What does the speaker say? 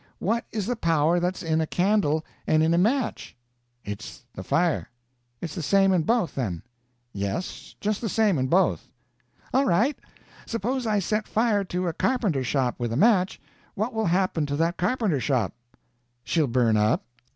What is the power that's in a candle and in a match?" "It's the fire." "It's the same in both, then?" "Yes, just the same in both." "All right. Suppose I set fire to a carpenter shop with a match, what will happen to that carpenter shop?" "She'll burn up."